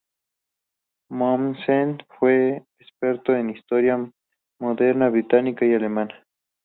Mommsen fue experto en historia moderna británica y alemana.